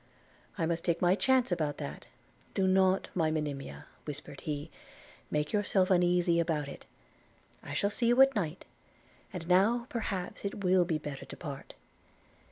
'I must take my chance about that. Do not, my Monimia,' whispered he, 'make yourself uneasy about it: I shall see you at night; and now, perhaps, it will be better to part.'